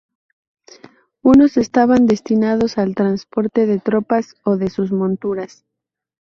Unos estaban destinados al transporte de tropas o de sus monturas.